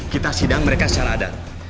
kita sidang mereka secara adat